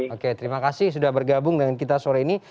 oke terima kasih sudah bergabung dengan kita sore ini